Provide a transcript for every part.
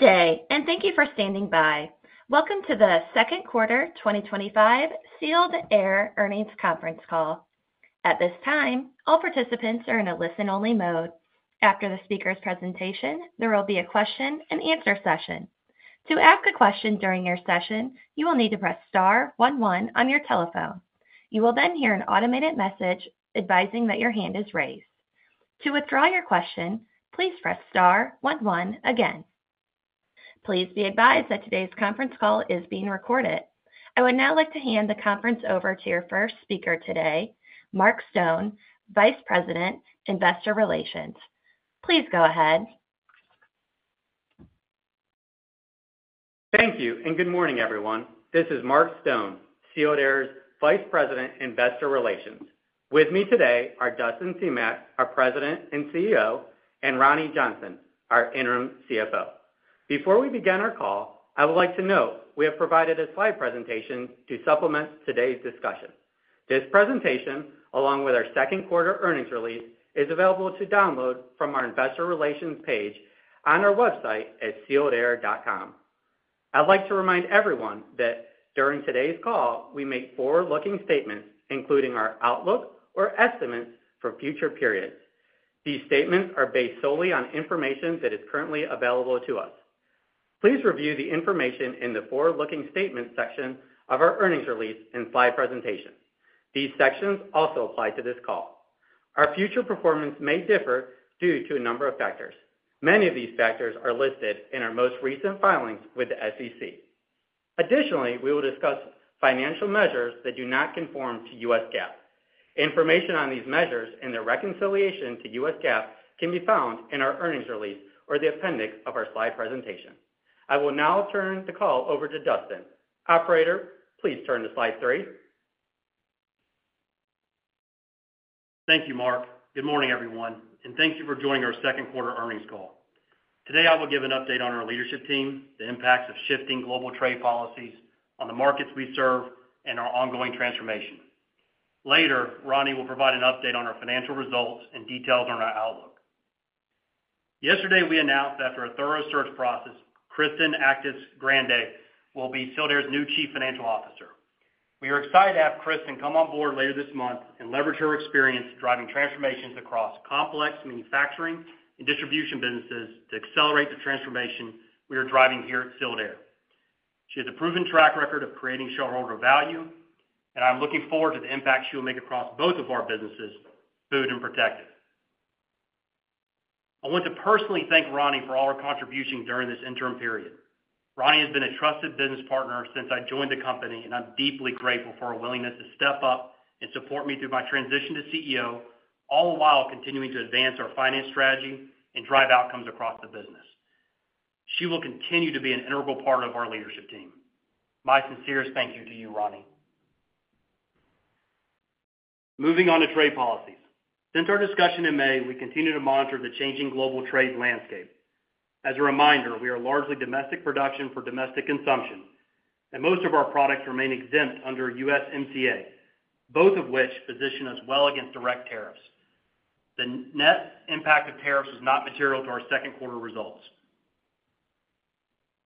Good day, and thank you for standing by. Welcome to the Second Quarter 2025 Sealed Air Earnings Conference Call. At this time, all participants are in a listen-only mode. After the speaker's presentation, there will be a question and answer session. To ask a question during your session, you will need to press star one, one on your telephone. You will then hear an automated message advising that your hand is raised. To withdraw your question, please press star one, one again. Please be advised that today's conference call is being recorded. I would now like to hand the conference over to your first speaker today, Mark Stone, Vice President, Investor Relations. Please go ahead. Thank you, and good morning, everyone. This is Mark Stone, Sealed Air's Vice President, Investor Relations. With me today are Dustin Semach, our President and CEO, and Roni Johnson, our Interim CFO. Before we begin our call, I would like to note we have provided a slide presentation to supplement today's discussion. This presentation, along with our second quarter earnings release, is available to download from our Investor Relations page on our website at sealedair.com. I'd like to remind everyone that during today's call, we make forward-looking statements, including our outlook or estimates for future periods. These statements are based solely on information that is currently available to us. Please review the information in the forward-looking statements section of our earnings release and slide presentation. These sections also apply to this call. Our future performance may differ due to a number of factors. Many of these factors are listed in our most recent filings with the SEC. Additionally, we will discuss financial measures that do not conform to U.S. GAAP. Information on these measures and their reconciliation to U.S. GAAP can be found in our earnings release or the appendix of our slide presentation. I will now turn the call over to Dustin. Operator, please turn to slide three. Thank you, Mark. Good morning, everyone, and thank you for joining our second quarter earnings call. Today, I will give an update on our leadership team, the impacts of shifting global trade policies on the markets we serve, and our ongoing transformation. Later, Roni will provide an update on our financial results and details on our outlook. Yesterday, we announced after a thorough search process, Kristen Actis-Grande will be Sealed Air Corporation's new Chief Financial Officer. We are excited to have Kristen come on board later this month and leverage her experience driving transformations across complex manufacturing and distribution businesses to accelerate the transformation we are driving here at Sealed Air Corporation. She has a proven track record of creating shareholder value, and I'm looking forward to the impact she will make across both of our businesses, Food and Protective. I want to personally thank Roni for all her contributions during this interim period. Roni has been a trusted business partner since I joined the company, and I'm deeply grateful for her willingness to step up and support me through my transition to CEO, all the while continuing to advance our finance strategy and drive outcomes across the business. She will continue to be an integral part of our leadership team. My sincerest thank you to you, Roni. Moving on to trade policy. Since our discussion in May, we continue to monitor the changing global trade landscape. As a reminder, we are largely domestic production for domestic consumption, and most of our products remain exempt under USMCA, both of which position us well against direct tariffs. The net impact of tariffs was not material to our second quarter results.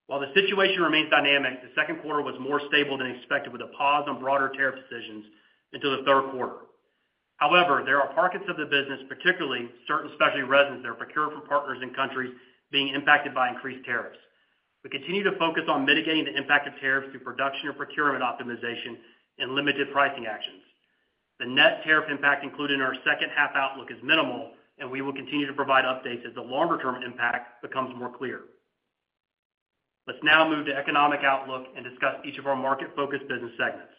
While the situation remains dynamic, the second quarter was more stable than expected, with a pause in broader tariff decisions until the third quarter. However, there are pockets of the business, particularly certain specialty resins that are procured for partners in countries being impacted by increased tariffs. We continue to focus on mitigating the impact of tariffs through production or procurement optimization and limited pricing actions. The net tariff impact included in our second half outlook is minimal, and we will continue to provide updates as the longer-term impact becomes more clear. Let's now move to economic outlook and discuss each of our market-focused business segments.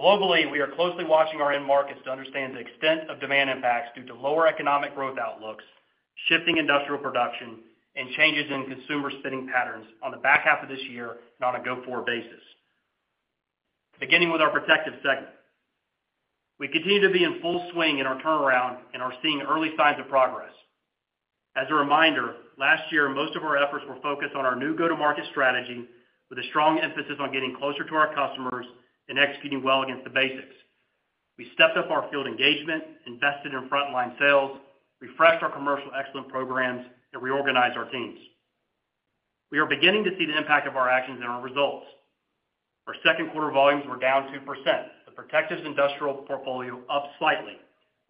Globally, we are closely watching our end markets to understand the extent of demand impacts due to lower economic growth outlooks, shifting industrial production, and changes in consumer spending patterns on the back half of this year, not a go-forward basis. Beginning with our Protective segment, we continue to be in full swing in our turnaround and are seeing early signs of progress. As a reminder, last year, most of our efforts were focused on our new go-to-market strategy, with a strong emphasis on getting closer to our customers and executing well against the basics. We stepped up our field engagement, invested in frontline sales, refreshed our commercial excellence programs, and reorganized our teams. We are beginning to see the impact of our actions in our results. Our second quarter volumes were down 2%, but Protective's industrial portfolio up slightly,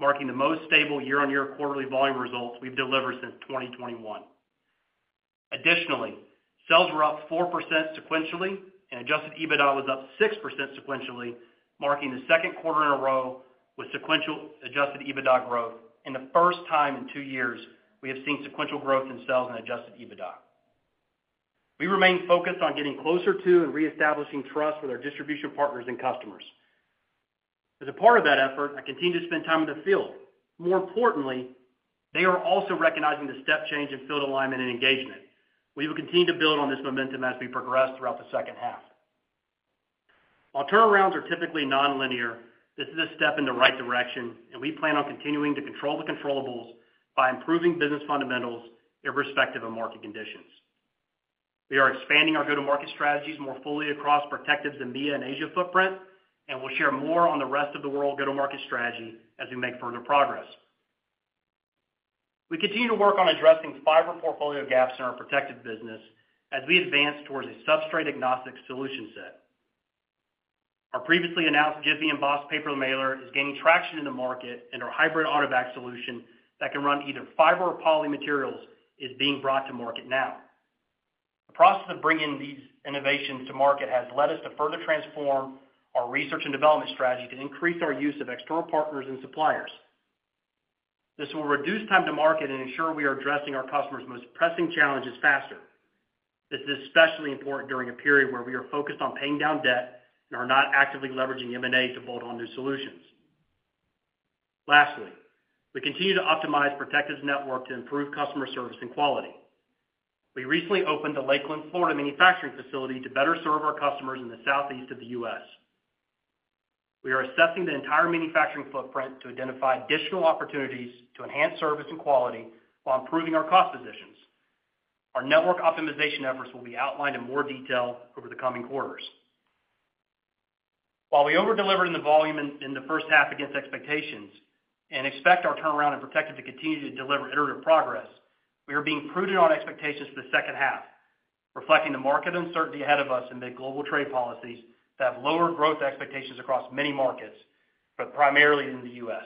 marking the most stable year-on-year quarterly volume results we've delivered since 2021. Additionally, sales were up 4% sequentially, and adjusted EBITDA was up 6% sequentially, marking the second quarter in a row with sequential adjusted EBITDA growth and the first time in two years we have seen sequential growth in sales and adjusted EBITDA. We remain focused on getting closer to and reestablishing trust with our distribution partners and customers. As a part of that effort, I continue to spend time with the field. More importantly, they are also recognizing the step change in field alignment and engagement. We will continue to build on this momentum as we progress throughout the second half. While turnarounds are typically nonlinear, this is a step in the right direction, and we plan on continuing to control the controllables by improving business fundamentals irrespective of market conditions. We are expanding our go-to-market strategies more fully across Protective's EMEA and Asia footprint, and we'll share more on the rest of the world go-to-market strategy as we make further progress. We continue to work on addressing fiber portfolio gaps in our Protective business as we advance towards a substrate-agnostic solution set. Our previously announced Jiffy and Boss Paper Mailer is gaining traction in the market, and our hybrid Autobag solution that can run either fiber or poly materials is being brought to market now. The process of bringing these innovations to market has led us to further transform our research and development strategy to increase our use of external partners and suppliers. This will reduce time to market and ensure we are addressing our customers' most pressing challenges faster. This is especially important during a period where we are focused on paying down debt and are not actively leveraging M&A to bolt on new solutions. Lastly, we continue to optimize Protective's network to improve customer service and quality. We recently opened the Lakeland, Florida manufacturing facility to better serve our customers in the Southeast of the U.S. We are assessing the entire manufacturing footprint to identify additional opportunities to enhance service and quality while improving our cost positions. Our network optimization efforts will be outlined in more detail over the coming quarters. While we over-delivered in the volume in the first half against expectations and expect our turnaround in Protective to continue to deliver iterative progress, we are being prudent on expectations for the second half, reflecting the market uncertainty ahead of us amid global trade policies that have lower growth expectations across many markets, but primarily in the U.S.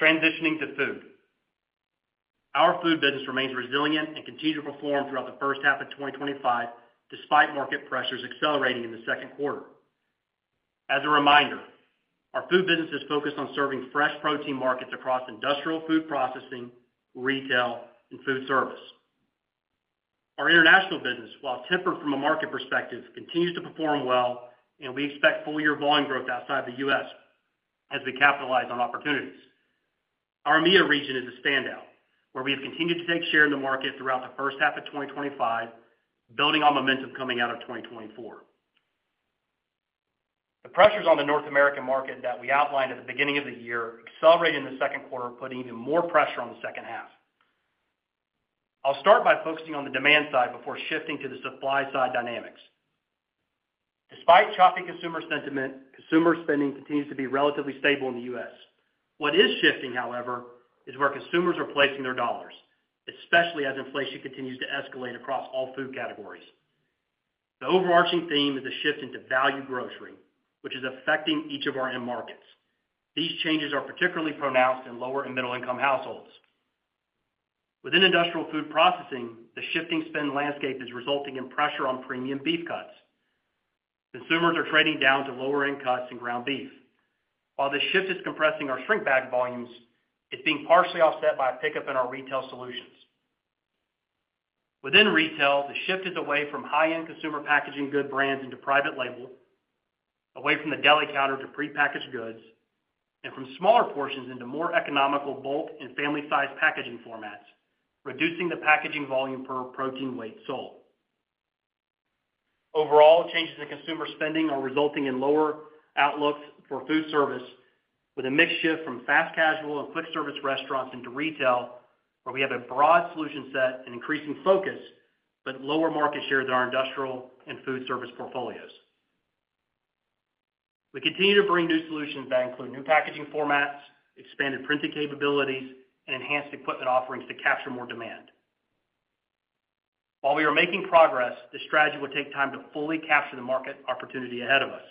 Transitioning to Food. Our Food business remains resilient and continues to perform throughout the first half of 2025, despite market pressures accelerating in the second quarter. As a reminder, our Food business is focused on serving fresh protein markets across industrial food processing, retail, and food service. Our international business, while tempered from a market perspective, continues to perform well, and we expect full-year volume growth outside the U.S. as we capitalize on opportunities. Our EMEA region is a standout, where we have continued to take share in the market throughout the first half of 2025, building on momentum coming out of 2024. The pressures on the North American market that we outlined at the beginning of the year accelerated in the second quarter, putting even more pressure on the second half. I'll start by focusing on the demand side before shifting to the supply side dynamics. Despite choppy consumer sentiment, consumer spending continues to be relatively stable in the U.S. What is shifting, however, is where consumers are placing their dollars, especially as inflation continues to escalate across all Food categories. The overarching theme is a shift into value grocery, which is affecting each of our end markets. These changes are particularly pronounced in lower and middle-income households. Within industrial food processing, the shifting spend landscape is resulting in pressure on premium beef cuts. Consumers are trading down to lower-end cuts and ground beef. While this shift is compressing our Shrink Bag volumes, it's being partially offset by a pickup in our retail solutions. Within retail, the shift is away from high-end consumer packaged goods brands into private label, away from the deli counter to prepackaged goods, and from smaller portions into more economical bulk and family-sized packaging formats, reducing the packaging volume per protein weight sold. Overall, changes in consumer spending are resulting in lower outlooks for Food service, with a mixed shift from fast casual and quick service restaurants into retail, where we have a broad solution set and increasing focus, but lower market share than our industrial and Food service portfolios. We continue to bring new solutions that include new packaging formats, expanded printing capabilities, and enhanced equipment offerings to capture more demand. While we are making progress, the strategy will take time to fully capture the market opportunity ahead of us.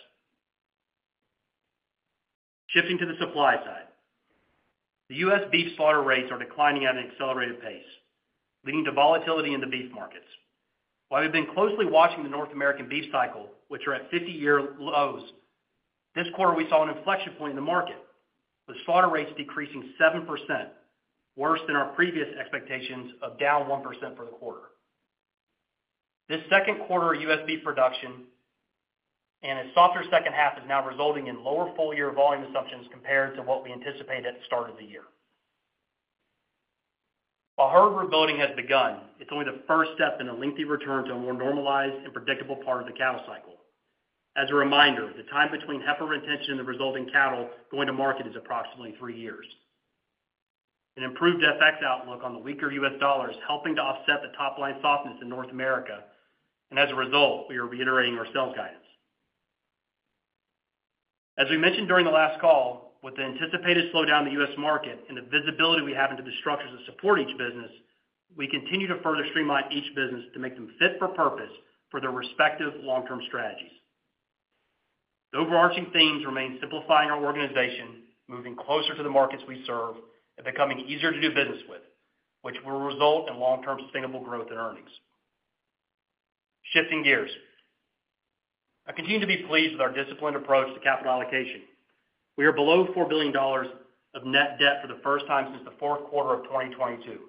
Shifting to the supply side. The U.S. beef slaughter rates are declining at an accelerated pace, leading to volatility in the beef markets. While we've been closely watching the North American beef cycle, which is at 50-year lows, this quarter we saw an inflection point in the market, with slaughter rates decreasing 7%, worse than our previous expectations of down 1% for the quarter. This second quarter U.S. beef production and a softer second half is now resulting in lower full-year volume assumptions compared to what we anticipated at the start of the year. While herd rebuilding has begun, it's only the first step in a lengthy return to a more normalized and predictable part of the cattle cycle. As a reminder, the time between heifer retention and the resulting cattle going to market is approximately three years. An improved FX outlook on the weaker U.S. dollar is helping to offset the top line softness in North America, and as a result, we are reiterating our sales guidance. As we mentioned during the last call, with the anticipated slowdown in the U.S. market and the visibility we have into the structures that support each business, we continue to further streamline each business to make them fit for purpose for their respective long-term strategies. The overarching themes remain simplifying our organization, moving closer to the markets we serve, and becoming easier to do business with, which will result in long-term sustainable growth in earnings. Shifting gears. I continue to be pleased with our disciplined approach to capital allocation. We are below $4 billion of net debt for the first time since the fourth quarter of 2022.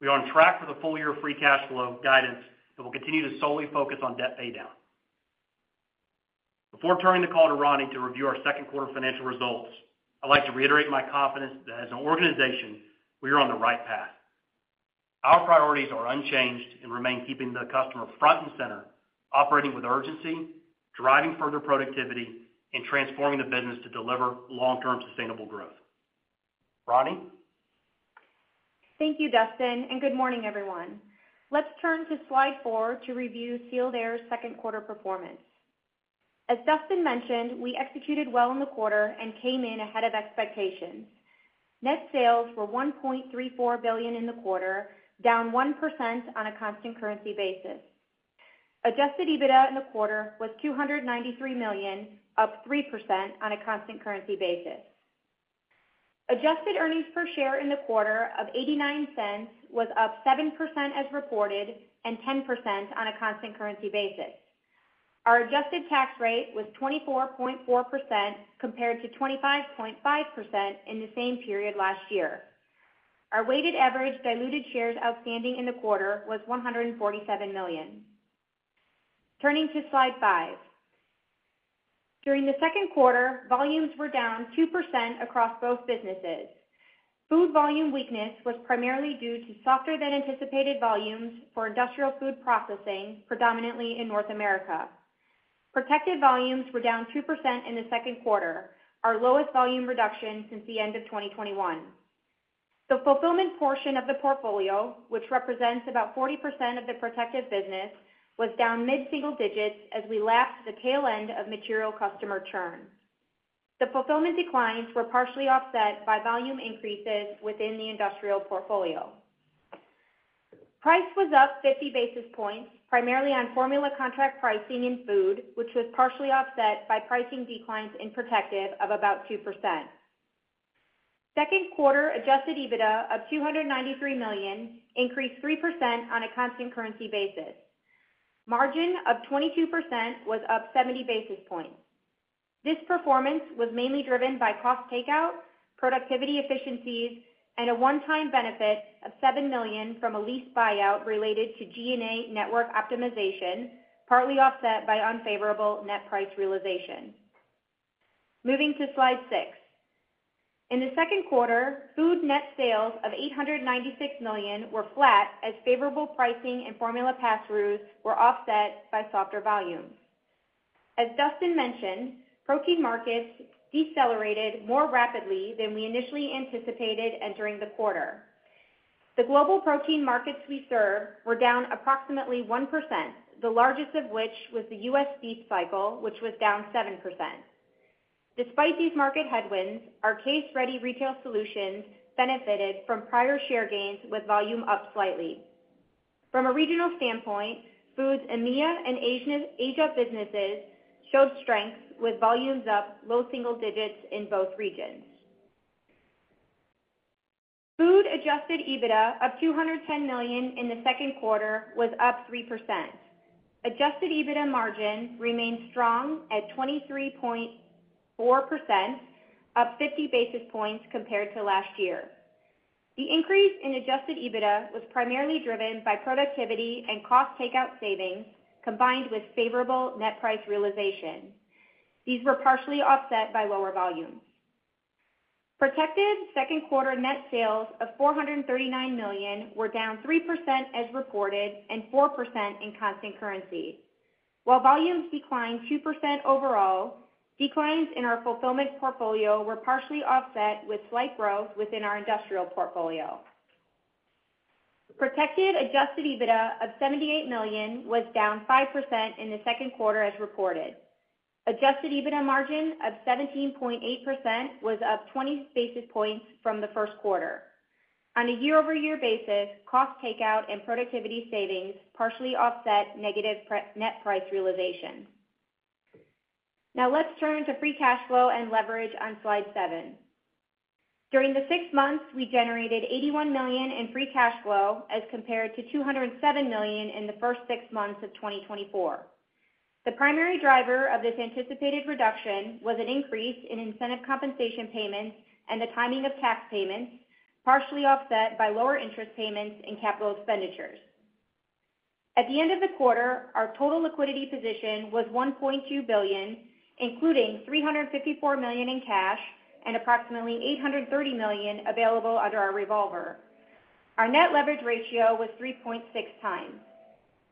We are on track for the full-year free cash flow guidance and will continue to solely focus on debt paydown. Before turning the call to Roni to review our second quarter financial results, I'd like to reiterate my confidence that as an organization, we are on the right path. Our priorities are unchanged and remain keeping the customer front and center, operating with urgency, driving further productivity, and transforming the business to deliver long-term sustainable growth. Roni. Thank you, Dustin, and good morning, everyone. Let's turn to slide four to review Sealed Air's second quarter performance. As Dustin mentioned, we executed well in the quarter and came in ahead of expectations. Net sales were $1.34 billion in the quarter, down 1% on a constant currency basis. Adjusted EBITDA in the quarter was $293 million, up 3% on a constant currency basis. Adjusted earnings per share in the quarter of $0.89 was up 7% as reported and 10% on a constant currency basis. Our adjusted tax rate was 24.4% compared to 25.5% in the same period last year. Our weighted average diluted shares outstanding in the quarter was 147 million. Turning to slide five, during the second quarter, volumes were down 2% across both businesses. Food volume weakness was primarily due to softer than anticipated volumes for industrial food processing, predominantly in North America. Protective volumes were down 2% in the second quarter, our lowest volume reduction since the end of 2021. The fulfillment portion of the portfolio, which represents about 40% of the Protective business, was down mid-single digits as we lapsed the tail end of material customer churn. The fulfillment declines were partially offset by volume increases within the industrial portfolio. Price was up 50 basis points, primarily on formula contract pricing in Food, which was partially offset by pricing declines in Protective of about 2%. Second quarter adjusted EBITDA of $293 million increased 3% on a constant currency basis. Margin of 22% was up 70 basis points. This performance was mainly driven by cost takeout, productivity efficiencies, and a one-time benefit of $7 million from a lease buyout related to G&A network optimization, partly offset by unfavorable net price realization. Moving to slide six. In the second quarter, Food net sales of $896 million were flat as favorable pricing and formula pass-throughs were offset by softer volume. As Dustin mentioned, protein markets decelerated more rapidly than we initially anticipated entering the quarter. The global protein markets we serve were down approximately 1%, the largest of which was the U.S. beef cycle, which was down 7%. Despite these market headwinds, our case-ready retail solutions benefited from prior share gains with volume up slightly. From a regional standpoint, Food's EMEA and Asia businesses showed strength with volumes up low single digits in both regions. Food adjusted EBITDA of $210 million in the second quarter was up 3%. Adjusted EBITDA margin remains strong at 23.4%, up 50 basis points compared to last year. The increase in adjusted EBITDA was primarily driven by productivity and cost takeout savings combined with favorable net price realization. These were partially offset by lower volume. Protective second quarter net sales of $439 million were down 3% as reported and 4% in constant currency. While volumes declined 2% overall, declines in our fulfillment portfolio were partially offset with slight growth within our industrial portfolio. Protective adjusted EBITDA of $78 million was down 5% in the second quarter as reported. Adjusted EBITDA margin of 17.8% was up 20 basis points from the first quarter. On a year-over-year basis, cost takeout and productivity savings partially offset negative net price realizations. Now let's turn to free cash flow and leverage on slide seven. During the six months, we generated $81 million in free cash flow as compared to $207 million in the first six months of 2024. The primary driver of this anticipated reduction was an increase in incentive compensation payments and the timing of tax payments, partially offset by lower interest payments and capital expenditures. At the end of the quarter, our total liquidity position was $1.2 billion, including $354 million in cash and approximately $830 million available under our revolver. Our net leverage ratio was 3.6x.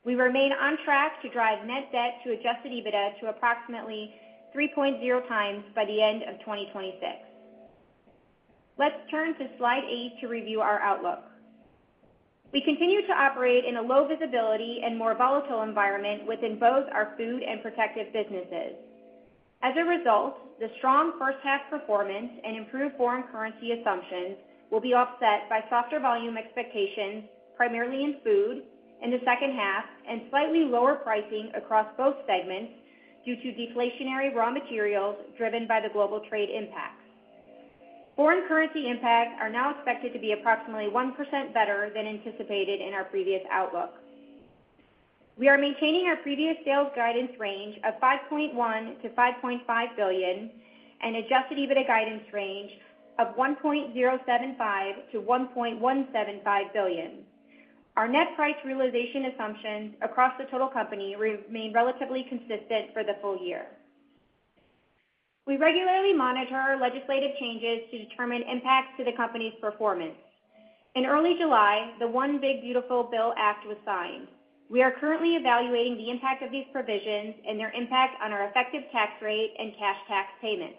We remain on track to drive net debt to adjusted EBITDA to approximately 3.0x by the end of 2026. Let's turn to slide eight to review our outlook. We continue to operate in a low visibility and more volatile environment within both our Food and Protective businesses. As a result, the strong first half performance and improved foreign currency assumptions will be offset by softer volume expectations, primarily in Food in the second half, and slightly lower pricing across both segments due to deflationary raw materials driven by the global trade impacts. Foreign currency impacts are now expected to be approximately 1% better than anticipated in our previous outlook. We are maintaining our previous sales guidance range of $5.1-$5.5 billion and adjusted EBITDA guidance range of $1.075-$1.175 billion. Our net price realization assumptions across the total company remain relatively consistent for the full year. We regularly monitor our legislative changes to determine impacts to the company's performance. In early July, the One Big Beautiful Bill Act was signed. We are currently evaluating the impact of these provisions and their impact on our effective tax rate and cash tax payments.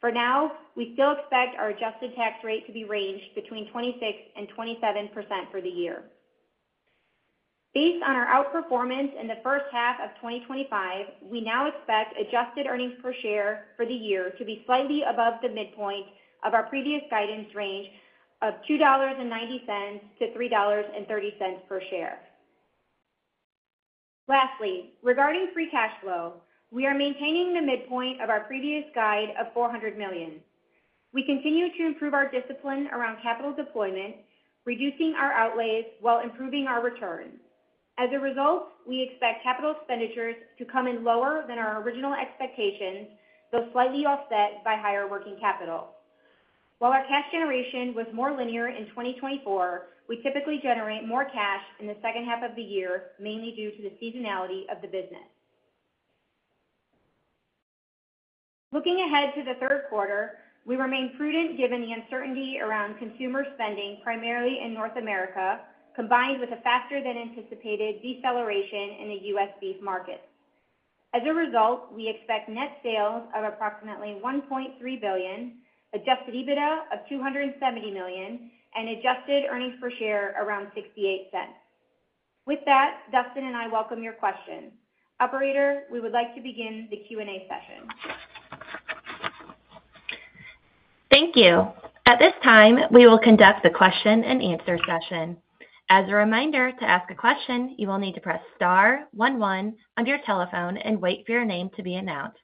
For now, we still expect our adjusted tax rate to be ranged between 26% and 27% for the year. Based on our outperformance in the first half of 2025, we now expect adjusted earnings per share for the year to be slightly above the midpoint of our previous guidance range of $2.90-$3.30 per share. Lastly, regarding free cash flow, we are maintaining the midpoint of our previous guide of $400 million. We continue to improve our discipline around capital deployment, reducing our outlays while improving our return. As a result, we expect capital expenditures to come in lower than our original expectations, though slightly offset by higher working capital. While our cash generation was more linear in 2024, we typically generate more cash in the second half of the year, mainly due to the seasonality of the business. Looking ahead to the third quarter, we remain prudent given the uncertainty around consumer spending, primarily in North America, combined with a faster than anticipated deceleration in the U.S. beef market. As a result, we expect net sales of approximately $1.3 billion, adjusted EBITDA of $270 million, and adjusted earnings per share around $0.68. With that, Dustin and I welcome your question. Operator, we would like to begin the Q&A session. Thank you. At this time, we will conduct the question and answer session. As a reminder, to ask a question, you will need to press star one, one on your telephone and wait for your name to be announced.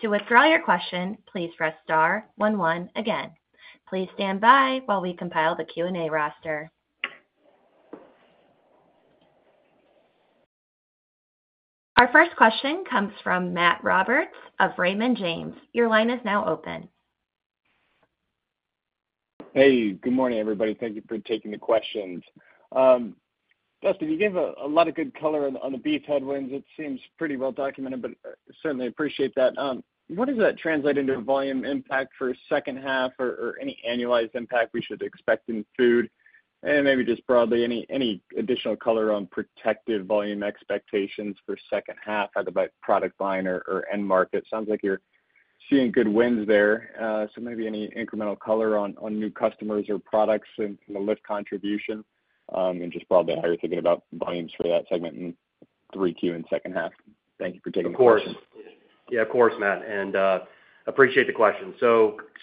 To withdraw your question, please press star one, one again. Please stand by while we compile the Q&A roster. Our first question comes from Matt Roberts of Raymond James. Your line is now open. Hey, good morning, everybody. Thank you for taking the questions. Dustin, you gave a lot of good color on the beef headwinds. It seems pretty well documented, but certainly appreciate that. What does that translate into a volume impact for a second half or any annualized impact we should expect in Food? Maybe just broadly, any additional color on Protective volume expectations for the second half, either by product line or end market? It sounds like you're seeing good wins there. Maybe any incremental color on new customers or products and from the lift contribution and just broadly how you're thinking about volumes for that segment in Q3 and second half. Thank you for taking the question. Yeah, of course, Matt. I appreciate the question.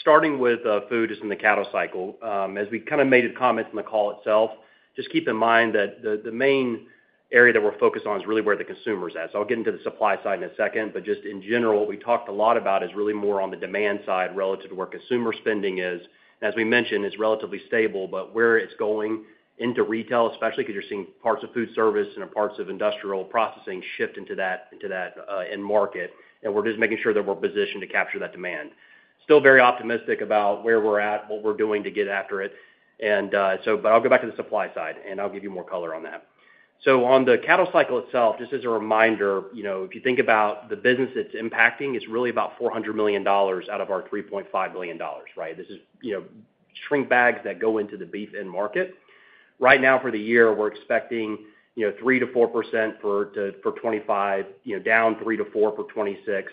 Starting with Food is in the cattle cycle. As we kind of made the comments in the call itself, just keep in mind that the main area that we're focused on is really where the consumer's at. I'll get into the supply side in a second. In general, what we talked a lot about is really more on the demand side relative to where consumer spending is. As we mentioned, it's relatively stable, but where it's going into retail, especially because you're seeing parts of food service and parts of industrial processing shift into that end market. We're just making sure that we're positioned to capture that demand. Still very optimistic about where we're at, what we're doing to get after it. I'll go back to the supply side and give you more color on that. On the cattle cycle itself, just as a reminder, if you think about the business it's impacting, it's really about $400 million out of our $3.5 billion, right? This is shrink bags that go into the beef end market. Right now for the year, we're expecting 3%-4% for 2025, down 3%-4% for 2026,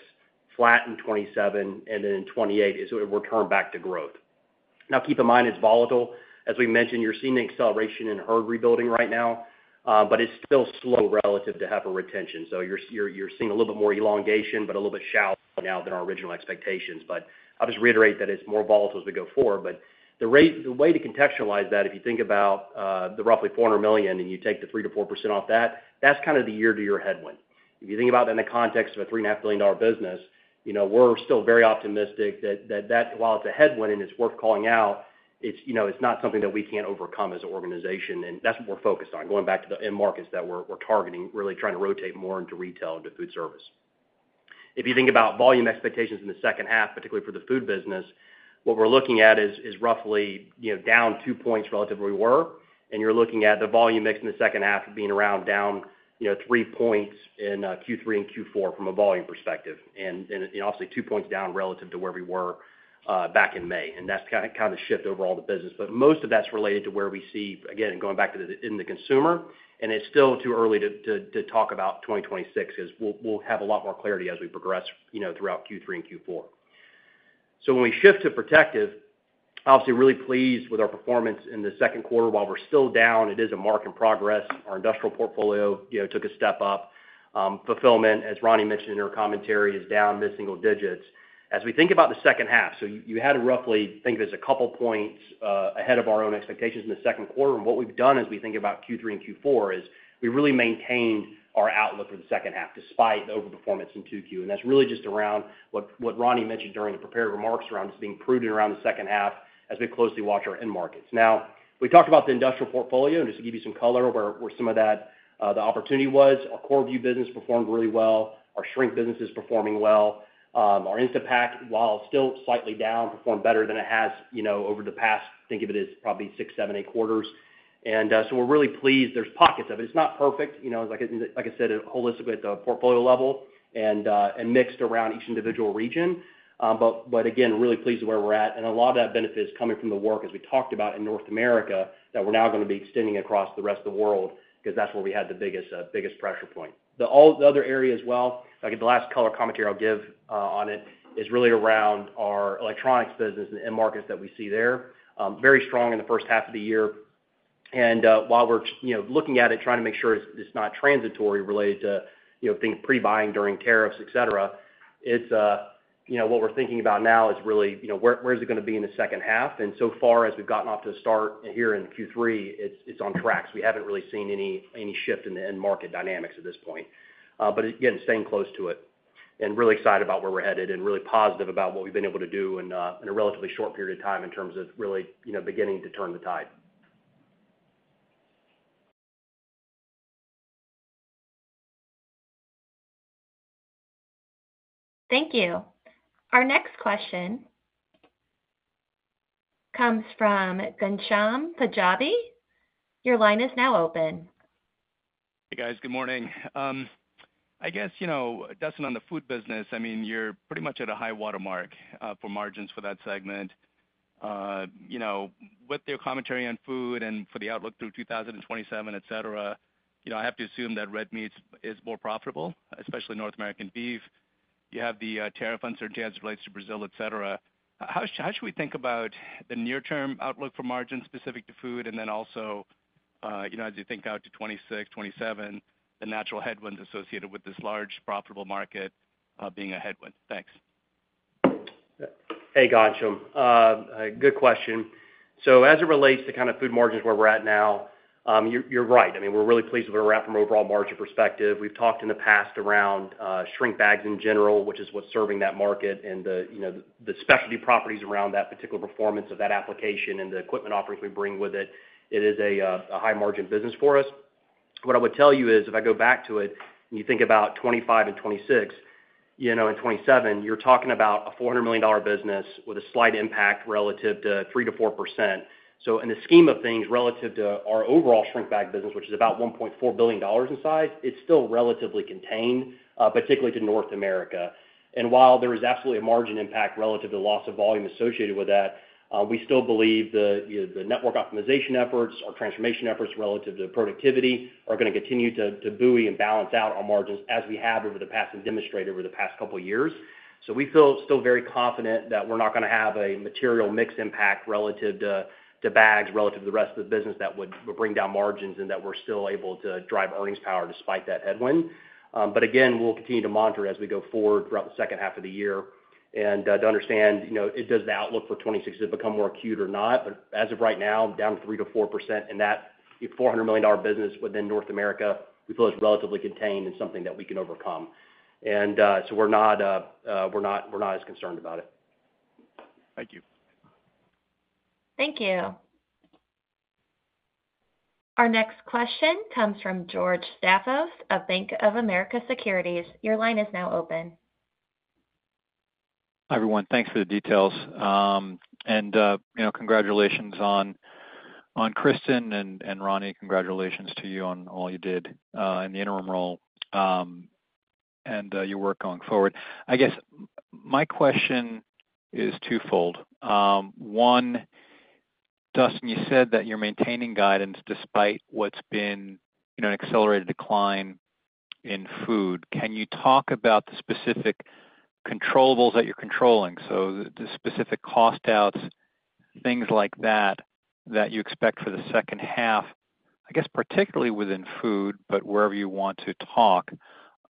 flat in 2027, and then in 2028 is a return back to growth. Keep in mind it's volatile. As we mentioned, you're seeing the acceleration in herd rebuilding right now, but it's still slow relative to heifer retention. You're seeing a little bit more elongation, but a little bit shallow now than our original expectations. I'll just reiterate that it's more volatile as we go forward. The way to contextualize that, if you think about the roughly $400 million and you take the 3%-4% off that, that's kind of the year-to-year headwind. If you think about that in the context of a $3.5 billion business, we're still very optimistic that while it's a headwind and it's worth calling out, it's not something that we can't overcome as an organization. That's what we're focused on, going back to the end markets that we're targeting, really trying to rotate more into retail and to food service. If you think about volume expectations in the second half, particularly for the Food business, what we're looking at is roughly down two points relative to where we were. You're looking at the volume mix in the second half being around down three points in Q3 and Q4 from a volume perspective. Obviously, two points down relative to where we were back in May. That's kind of the shift overall to business, but most of that's related to where we see, again, going back to the end of the consumer. It's still too early to talk about 2026 because we'll have a lot more clarity as we progress throughout Q3 and Q4. When we shift to Protective, obviously really pleased with our performance in the second quarter. While we're still down, it is a mark in progress. Our industrial portfolio took a step up. Fulfillment, as Roni mentioned in her commentary, is down mid-single digits. As we think about the second half, you had roughly think of this a couple points ahead of our own expectations in the second quarter. What we've done as we think about Q3 and Q4 is we really maintained our outlook for the second half despite the overperformance in Q2. That's really just around what Roni mentioned during the prepared remarks around us being prudent around the second half as we closely watch our end markets. We talked about the industrial portfolio, and just to give you some color where some of that opportunity was, our core view business performed really well. Our Shrink business is performing well. Our Instapak, while still slightly down, performed better than it has over the past, think of it as probably six, seven, eight quarters. We're really pleased. There are pockets of it. It's not perfect, like I said, holistically at the portfolio level and mixed around each individual region. Again, really pleased with where we're at. A lot of that benefit is coming from the work, as we talked about in North America, that we're now going to be extending across the rest of the world because that's where we had the biggest pressure point. All the other areas as well, like the last color commentary I'll give on it, is really around our electronics business and the end markets that we see there. Very strong in the first half of the year. While we're looking at it, trying to make sure it's not transitory related to pre-buying during tariffs, et cetera, what we're thinking about now is really where's it going to be in the second half. So far as we've gotten off to the start here in Q3, it's on track. We haven't really seen any shift in the end market dynamics at this point. Again, staying close to it and really excited about where we're headed, really positive about what we've been able to do in a relatively short period of time in terms of really beginning to turn the tide. Thank you. Our next question comes from Ghansham Panjabi. Your line is now open. Hey guys, good morning. I guess, you know, Dustin, on the Food segment, I mean, you're pretty much at a high watermark for margins for that segment. You know, with their commentary on Food and for the outlook through 2027, et cetera, I have to assume that red meat is more profitable, especially North American beef. You have the tariff uncertainty as it relates to Brazil, et cetera. How should we think about the near-term outlook for margins specific to Food? Also, as you think out to 2026, 2027, the natural headwinds associated with this large profitable market being a headwind. Thanks. Hey Ghansham, good question. As it relates to kind of Food margins where we're at now, you're right. I mean, we're really pleased with where we're at from an overall margin perspective. We've talked in the past around Shrink Bag in general, which is what's serving that market and the specialty properties around that particular performance of that application and the equipment offerings we bring with it. It is a high margin business for us. What I would tell you is if I go back to it and you think about 2025 and 2026, in 2027, you're talking about a $400 million business with a slight impact relative to 3%-4%. In the scheme of things, relative to our overall Shrink Bag business, which is about $1.4 billion in size, it's still relatively contained, particularly to North America. While there is absolutely a margin impact relative to the loss of volume associated with that, we still believe the network optimization efforts, our transformation efforts relative to productivity are going to continue to buoy and balance out our margins as we have over the past and demonstrated over the past couple of years. We feel still very confident that we're not going to have a material mix impact relative to bags, relative to the rest of the business that would bring down margins and that we're still able to drive earnings power despite that headwind. But again, we will continue to monitor as we go forward throughout the second half of the year and to understand, does the outlook for 2026 become more acute or not. As of right now, down 3%-4% in that $400 million business within North America, we feel it's relatively contained and something that we can overcome. We're not as concerned about it. Thank you. Thank you. Our next question comes from George Staphos of Bank of America Securities. Your line is now open. Hi everyone, thanks for the details. Congratulations on Kristen and Roni. Congratulations to you on all you did in the interim role and your work going forward. My question is twofold. One, Dustin, you said that you're maintaining guidance despite what's been an accelerated decline in Food. Can you talk about the specific controllables that you're controlling? The specific cost outs, things like that, that you expect for the second half, particularly within Food, but wherever you want to talk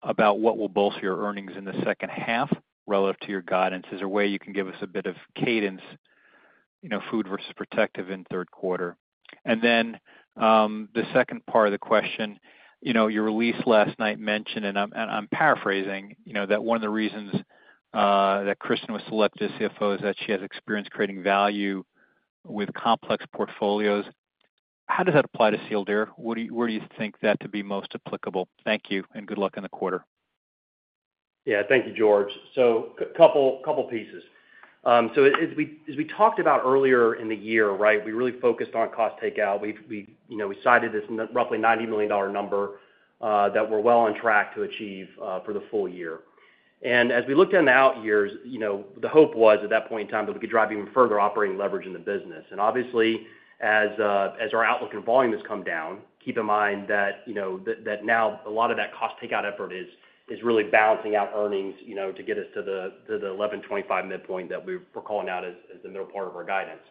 about what will bolster your earnings in the second half relative to your guidance as a way you can give us a bit of cadence, Food versus protective in third quarter. The second part of the question, your release last night mentioned, and I'm paraphrasing, that one of the reasons that Kristen was selected as CFO is that she has experience creating value with complex portfolios. How does that apply to Sealed Air? Where do you think that to be most applicable? Thank you and good luck in the quarter. Yeah, thank you, George. A couple pieces. As we talked about earlier in the year, we really focused on cost takeout. We cited this roughly $90 million number that we're well on track to achieve for the full year. As we looked in the out years, the hope was at that point in time that we could drive even further operating leverage in the business. Obviously, as our outlook and volume has come down, keep in mind that now a lot of that cost takeout effort is really balancing out earnings to get us to the $11.25 midpoint that we're calling out as the middle part of our guidance.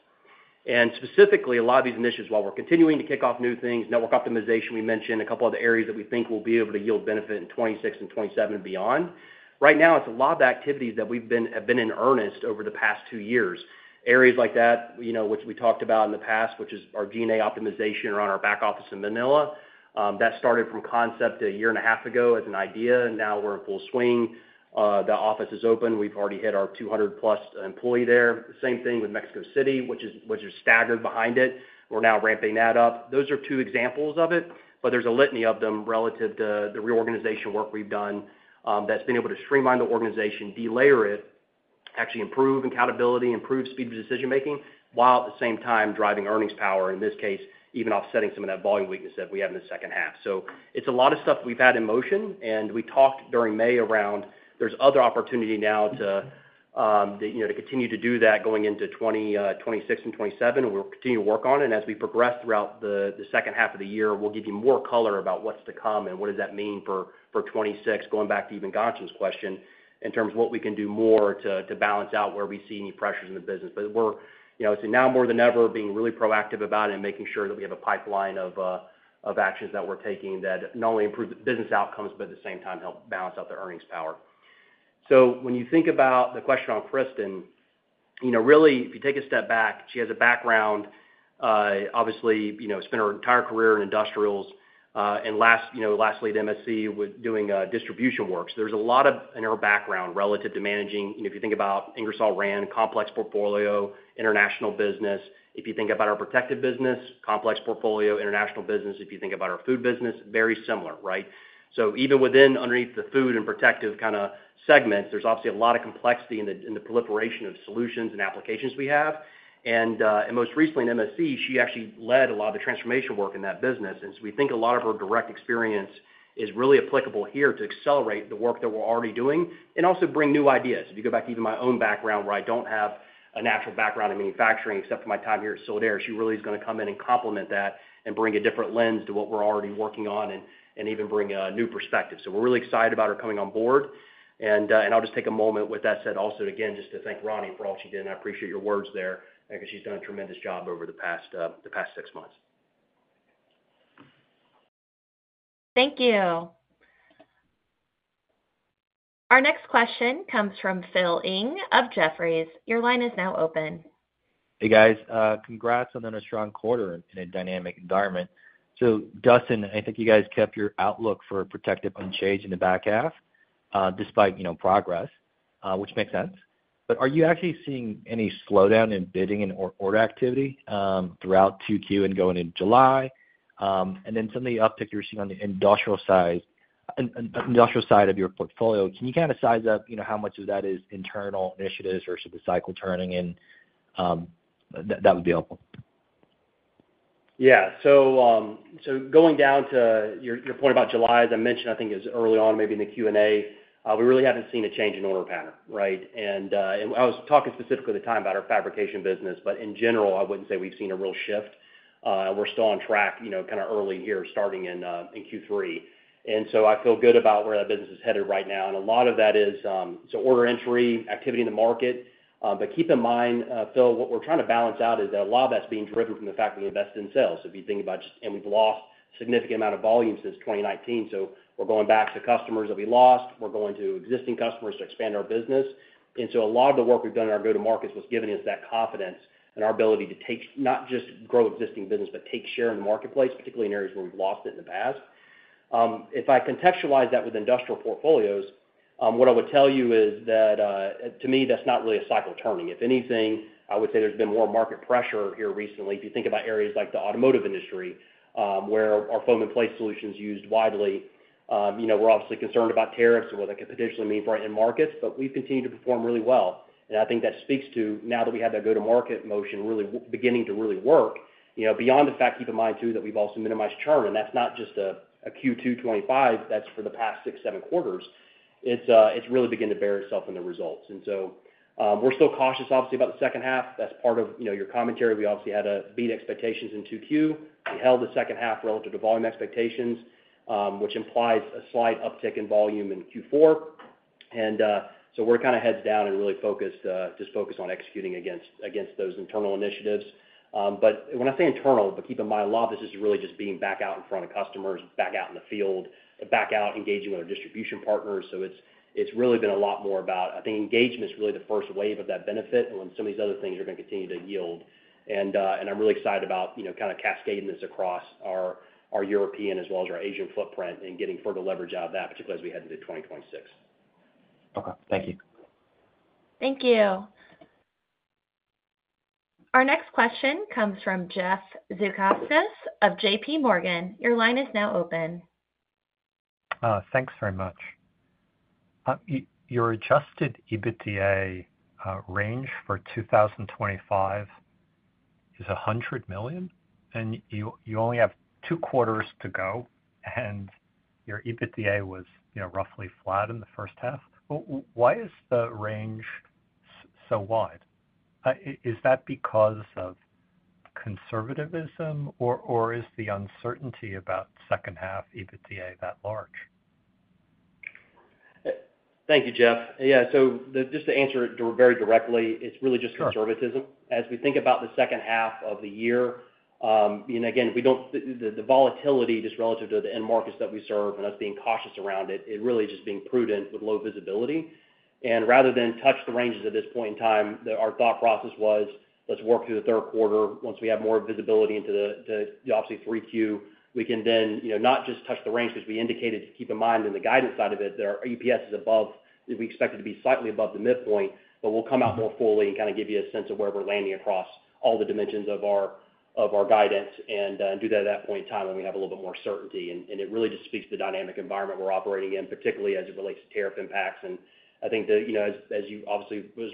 Specifically, a lot of these initiatives, while we're continuing to kick off new things, network optimization, we mentioned a couple of the areas that we think will be able to yield benefit in 2026 and 2027 and beyond. Right now, it's a lot of activities that have been in earnest over the past two years. Areas like that, which we talked about in the past, which is our G&A optimization around our back office in Manila, that started from concept a year and a half ago as an idea, and now we're in full swing. The office is open. We've already hit our 200+ employees there. Same thing with Mexico City, which is staggered behind it. We're now ramping that up. Those are two examples of it, but there's a litany of them relative to the reorganization work we've done that's been able to streamline the organization, delayer it, actually improve accountability, improve speed of decision making, while at the same time driving earnings power, in this case, even offsetting some of that volume weakness that we have in the second half. It's a lot of stuff that we've had in motion, and we talked during May around there's other opportunity now to continue to do that going into 2026 and 2027, and we'll continue to work on it. As we progress throughout the second half of the year, we'll give you more color about what's to come and what does that mean for 2026, going back to even Ghansham's question in terms of what we can do more to balance out where we see any pressures in the business. I would say now more than ever being really proactive about it and making sure that we have a pipeline of actions that we're taking that not only improve the business outcomes, but at the same time help balance out the earnings power. When you think about the question on Kristen, if you take a step back, she has a background, obviously, spent her entire career in industrials and last, last led MSC with doing distribution works. There's a lot in her background relative to managing, if you think about Ingersoll-Rand, complex portfolio, international business. If you think about our Protective segment, complex portfolio, international business. If you think about our Food segment, very similar, right? Even within underneath the Food and Protective kind of segments, there's obviously a lot of complexity in the proliferation of solutions and applications we have. Most recently in MSC, she actually led a lot of the transformation work in that business. We think a lot of her direct experience is really applicable here to accelerate the work that we're already doing and also bring new ideas. If you go back to even my own background where I don't have a natural background in manufacturing, except for my time here at Sealed Air Corporation, she really is going to come in and complement that and bring a different lens to what we're already working on and even bring a new perspective. We're really excited about her coming on board. I'll just take a moment with that said also again just to thank Roni for all she did. I appreciate your words there because she's done a tremendous job over the past six months. Thank you. Our next question comes from Philip Ng of Jefferies. Your line is now open. Hey guys, congrats on a strong quarter in a dynamic environment. Dustin, I think you guys kept your outlook for Protective unchanged in the back half, despite progress, which makes sense. Are you actually seeing any slowdown in bidding and order activity throughout Q2 and going into July? Some of the uptick you're seeing on the industrial side of your portfolio, can you kind of size up how much of that is internal initiatives versus the cycle turning in? That would be helpful. Yeah, going down to your point about July, as I mentioned, I think it was early on maybe in the Q&A, we really haven't seen a change in order pattern, right? I was talking specifically at the time about our fabrication business, but in general, I wouldn't say we've seen a real shift. We're still on track, kind of early here starting in Q3. I feel good about where that business is headed right now. A lot of that is order entry, activity in the market. Keep in mind, Phil, what we're trying to balance out is that a lot of that's being driven from the fact that we invest in sales. If you think about just, and we've lost a significant amount of volume since 2019. We're going back to customers that we lost. We're going to existing customers to expand our business. A lot of the work we've done in our go-to-market strategies was giving us that confidence and our ability to take, not just grow existing business, but take share in the marketplace, particularly in areas where we've lost it in the past. If I contextualize that with industrial portfolios, what I would tell you is that to me, that's not really a cycle turning. If anything, I would say there's been more market pressure here recently. If you think about areas like the automotive industry, where our foam and plate solutions are used widely, we're obviously concerned about tariffs and what that could potentially mean for our end markets, but we've continued to perform really well. I think that speaks to now that we have that go-to-market motion really beginning to work, beyond the fact, keep in mind too, that we've also minimized churn. That's not just a Q2 2025, that's for the past six, seven quarters. It's really beginning to bear itself in the results. We're still cautious, obviously, about the second half. That's part of your commentary. We obviously had a beat expectations in Q2. We held the second half relative to volume expectations, which implied a slight uptick in volume in Q4. We're kind of heads down and really focused, just focused on executing against those internal initiatives. When I say internal, keep in mind a lot of this is really just being back out in front of customers, back out in the field, and back out engaging with our distribution partners. It's really been a lot more about, I think engagement is really the first wave of that benefit when some of these other things are going to continue to yield. I'm really excited about kind of cascading this across our European as well as our Asian footprint and getting further leverage out of that, particularly as we head into 2026. Okay, thank you. Thank you. Our next question comes from Jeff Zekauskas of JP Morgan. Your line is now open. Thanks very much. Your adjusted EBITDA range for 2025 is $100 million, and you only have two quarters to go, and your EBITDA was, you know, roughly flat in the first half. Why is the range so wide? Is that because of conservatism, or is the uncertainty about second half EBITDA that large? Thank you, Jeff. Yeah, just to answer it very directly, it's really just conservatism. As we think about the second half of the year, we don't, the volatility just relative to the end markets that we serve and us being cautious around it, it really is just being prudent with low visibility. Rather than touch the ranges at this point in time, our thought process was let's work through the third quarter. Once we have more visibility into, obviously, Q3, we can then not just touch the range, which we indicated to keep in mind in the guidance side of it, that our EPS is above, we expect it to be slightly above the midpoint, but we'll come out more fully and kind of give you a sense of where we're landing across all the dimensions of our guidance and do that at that point in time when we have a little bit more certainty. It really just speaks to the dynamic environment we're operating in, particularly as it relates to tariff impacts. I think that, as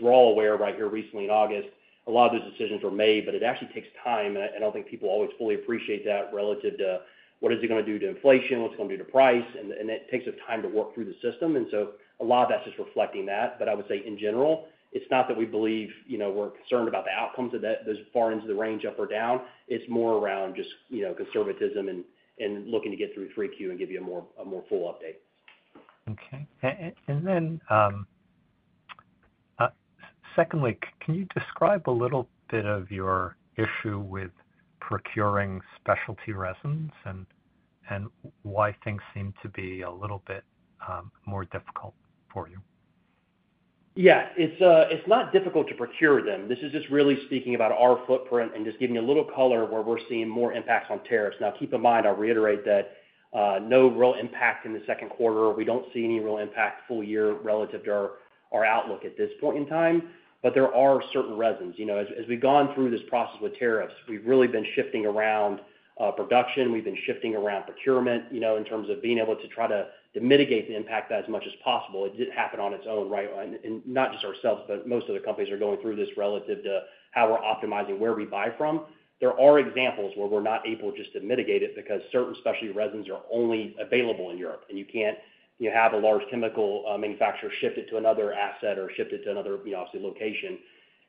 we're all aware, right here recently in August, a lot of those decisions were made, but it actually takes time. I don't think people always fully appreciate that relative to what is it going to do to inflation, what's it going to do to price, and it takes us time to work through the system. A lot of that's just reflecting that. I would say in general, it's not that we believe we're concerned about the outcomes of those far ends of the range up or down. It's more around just conservatism and looking to get through Q3 and give you a more full update. Okay. Can you describe a little bit of your issue with procuring specialty resins and why things seem to be a little bit more difficult for you? Yeah, it's not difficult to procure them. This is just really speaking about our footprint and just giving you a little color where we're seeing more impacts on tariffs. Now, keep in mind, I'll reiterate that no real impact in the second quarter. We don't see any real impact full year relative to our outlook at this point in time. There are certain resins, you know, as we've gone through this process with tariffs, we've really been shifting around production. We've been shifting around procurement in terms of being able to try to mitigate the impact as much as possible. It didn't happen on its own, right? Not just ourselves, but most of the companies are going through this relative to how we're optimizing where we buy from. There are examples where we're not able just to mitigate it because certain specialty resins are only available in Europe. You can't have a large chemical manufacturer shift it to another asset or shift it to another location.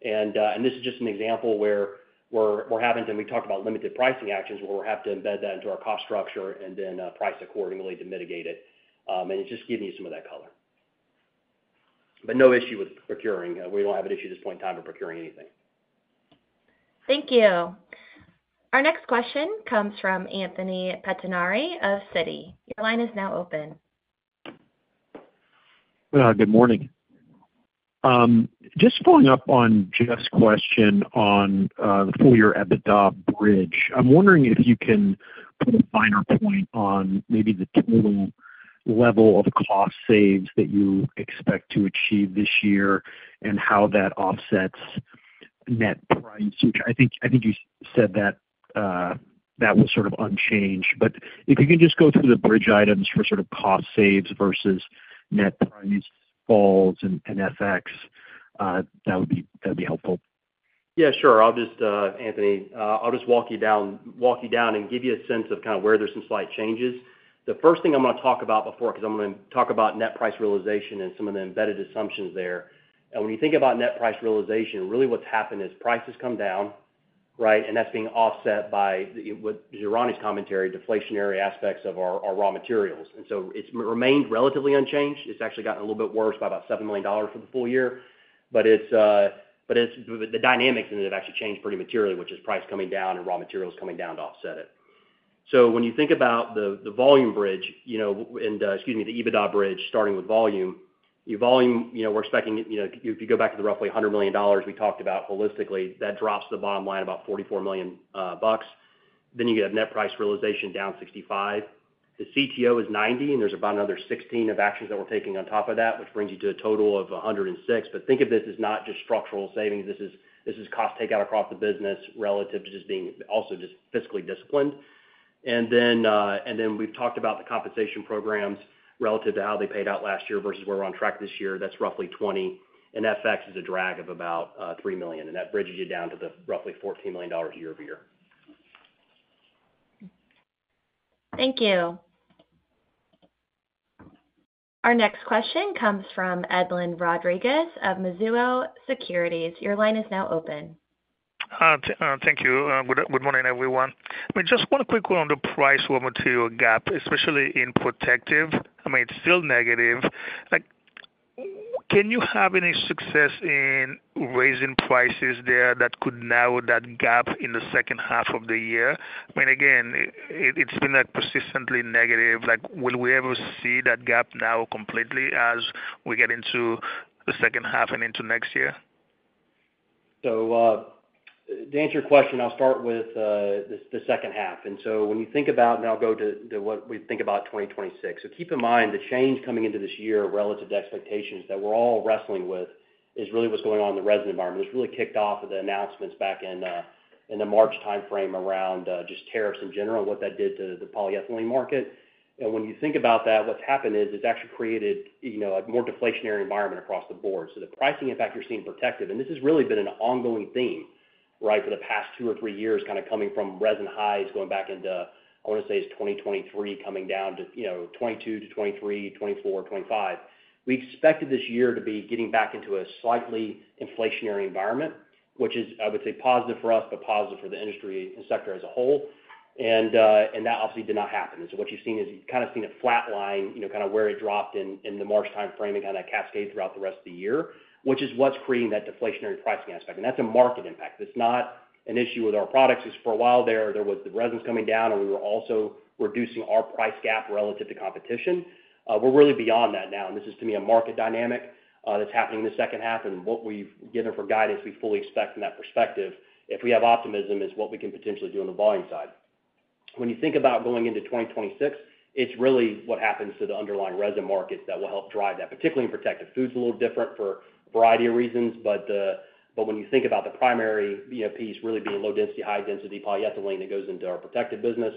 This is just an example where we're having to, and we talked about limited pricing actions where we'll have to embed that into our cost structure and then price accordingly to mitigate it. It's just giving you some of that color. No issue with procuring. We don't have an issue at this point in time of procuring anything. Thank you. Our next question comes from Anthony Pettinari of Citi. Your line is now open. Good morning. Just following up on Jeff's question on the full-year EBITDA bridge, I'm wondering if you can put a finer point on maybe the total level of the cost saves that you expect to achieve this year and how that offsets net price, which I think you said that that was sort of unchanged. If you can just go through the bridge items for sort of cost saves versus net price falls and FX, that would be helpful. Yeah, sure. Anthony, I'll just walk you down and give you a sense of kind of where there's some slight changes. The first thing I'm going to talk about before, because I'm going to talk about net price realization and some of the embedded assumptions there. When you think about net price realization, really what's happened is prices come down, right? That's being offset by, per Roni's commentary, deflationary aspects of our raw materials. It's remained relatively unchanged. It's actually gotten a little bit worse by about $7 million for the full year. It's the dynamics that have actually changed pretty materially, which is price coming down and raw materials coming down to offset it. When you think about the volume bridge, and excuse me, the EBITDA bridge starting with volume, volume, we're expecting, if you go back to the roughly $100 million we talked about holistically, that drops to the bottom line about $44 million. You get a net price realization down $65 million. The CTO is $90 million, and there's about another $16 million of actions that we're taking on top of that, which brings you to a total of $106 million. Think of this as not just structural savings. This is cost takeout across the business relative to just being also just fiscally disciplined. We've talked about the compensation programs relative to how they paid out last year versus where we're on track this year. That's roughly $20 million, and FX is a drag of about $3 million. That bridges you down to the roughly $14 million year over year. Thank you. Our next question comes from Edlain Rodriguez of Mizuho Securities. Your line is now open. Thank you. Good morning, everyone. Just one quick one on the price over to a gap, especially in Protective. It's still negative. Can you have any success in raising prices there that could narrow that gap in the second half of the year? It's been that persistently negative. Will we ever see that gap narrow completely as we get into the second half and into next year? To answer your question, I'll start with the second half. When you think about, and I'll go to what we think about 2026, keep in mind the change coming into this year relative to expectations that we're all wrestling with is really what's going on in the resin environment. It was really kicked off with the announcements back in the March timeframe around just tariffs in general and what that did to the polyethylene market. When you think about that, what's happened is it's actually created a more deflationary environment across the board. The pricing impact you're seeing in Protective, and this has really been an ongoing theme for the past two or three years, kind of coming from resin highs going back into, I want to say it's 2023 coming down to 22% to 23%, 24%, 25%. We expected this year to be getting back into a slightly inflationary environment, which is, I would say, positive for us, but positive for the industry and sector as a whole. That obviously did not happen. What you've seen is you've kind of seen it flatlining, kind of where it dropped in the March timeframe and that cascade throughout the rest of the year, which is what's creating that deflationary pricing aspect. That's a market impact. It's not an issue with our products. For a while there, there was the resins coming down and we were also reducing our price gap relative to competition. We're really beyond that now. This is, to me, a market dynamic that's happening in the second half and what we've given for guidance we fully expect from that perspective. If we have optimism, it's what we can potentially do on the volume side. When you think about going into 2026, it's really what happens to the underlying resin markets that will help drive that, particularly in Protective. Food's a little different for a variety of reasons, but when you think about the primary piece really being low density, high density polyethylene that goes into our Protective business,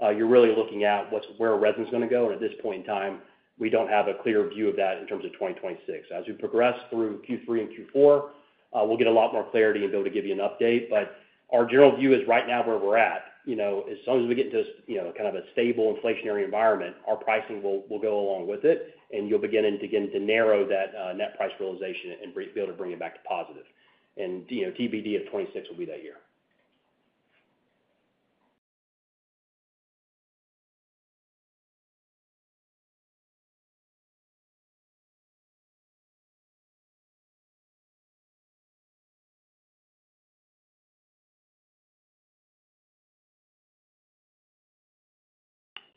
you're really looking at where resin's going to go. At this point in time, we don't have a clear view of that in terms of 2026. As we progress through Q3 and Q4, we'll get a lot more clarity and be able to give you an update. Our general view is right now where we're at, as soon as we get to kind of a stable inflationary environment, our pricing will go along with it and you'll begin to narrow that net price realization and be able to bring it back to positive. TBD if 2026 will be that year.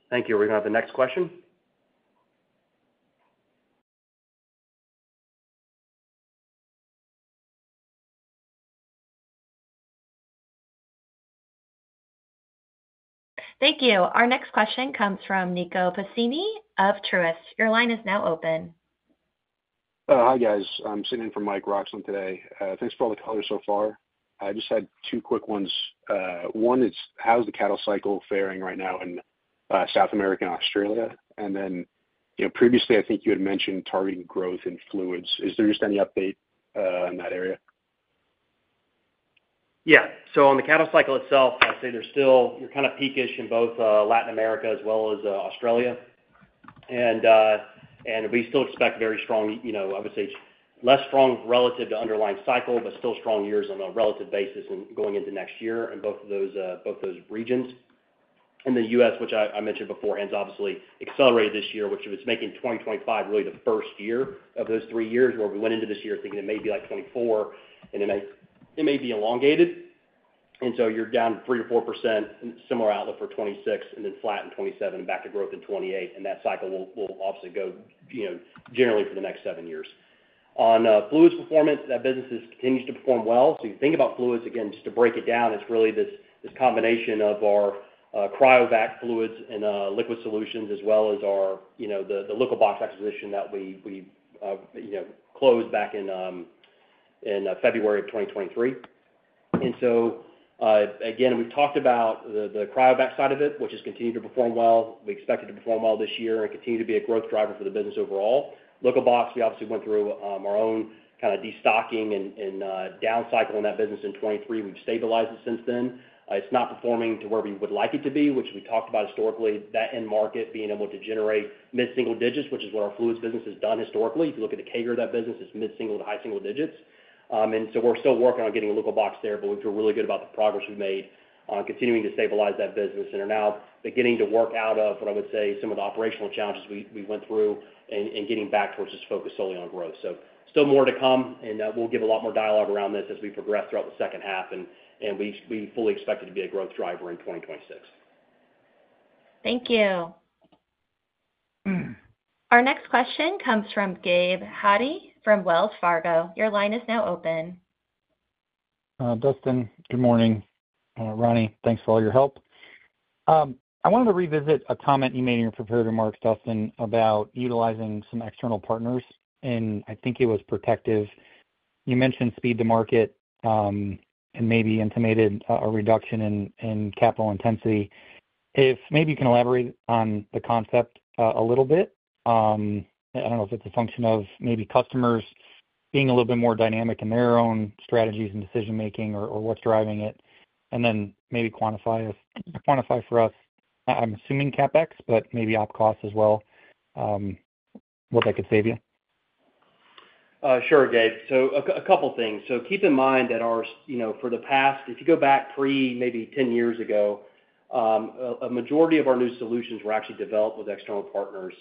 Thank you. Are we going to have the next question? Thank you. Our next question comes from Nico Pasini of Truist. Your line is now open. Hi guys, I'm sending in from Mike Roxland today. Thanks for all the color so far. I just had two quick ones. One is how's the cattle cycle faring right now in South America and Australia? Previously, I think you had mentioned targeting growth in fluids. Is there just any update in that area? Yeah, on the cattle cycle itself, I'd say there's still kind of peakish in both Latin America as well as Australia. We still expect very strong, I would say less strong relative to underlying cycle, but still strong years on a relative basis going into next year in both of those regions. In the U.S., which I mentioned before, has obviously accelerated this year, which is making 2025 really the first year of those three years where we went into this year thinking it may be like 2024 and it may be elongated. You're down 3%-4% and similar outlook for 2026 and then flat in 2027 and back to growth in 2028. That cycle will obviously go generally for the next seven years. On fluids performance, that business continues to perform well. You think about fluids, again, just to break it down, it's really this combination of our Cryovac fluids and liquid solutions as well as the Liquibox acquisition that we closed back in February of 2023. We've talked about the Cryovac side of it, which has continued to perform well. We expect it to perform well this year and continue to be a growth driver for the business overall. Liquibox, we obviously went through our own kind of destocking and down cycle in that business in 2023. We've stabilized it since then. It's not performing to where we would like it to be, which we talked about historically, that end market being able to generate mid-single digits, which is where our fluids business has done historically. If you look at the CAGR of that business, it's mid-single to high single digits. We're still working on getting Liquibox there, but we feel really good about the progress we've made on continuing to stabilize that business. Now it's beginning to work out of what I would say some of the operational challenges we went through and getting back towards this focus solely on growth. Still more to come, and we'll give a lot more dialogue around this as we progress throughout the second half, and we fully expect it to be a growth driver in 2026. Thank you. Our next question comes from Gabe Hajde from Wells Fargo. Your line is now open. Dustin, good morning. Roni, thanks for all your help. I wanted to revisit a comment you made in your prepared remarks, Dustin, about utilizing some external partners, and I think it was Protective. You mentioned speed to market and maybe intimated a reduction in capital intensity. If maybe you can elaborate on the concept a little bit. I don't know if it's a function of maybe customers being a little bit more dynamic in their own strategies and decision making or what's driving it. Maybe quantify for us, I'm assuming CapEx, but maybe op cost as well, what that could save you. Sure, Gabe. A couple of things. Keep in mind that ours, you know, for the past, if you go back pre maybe 10 years ago, a majority of our new solutions were actually developed with external partners.